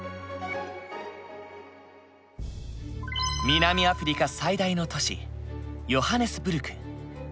南アフリカ最大の都市ヨハネスブルク。